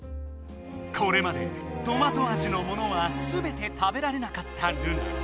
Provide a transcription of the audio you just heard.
これまでトマト味のものはすべて食べられなかったルナ。